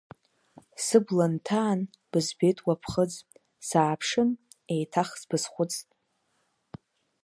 Сыбла нҭаан, бызбеит уа ԥхыӡ, сааԥшын, еиҭах сбызхәцт.